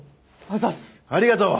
ありがとう。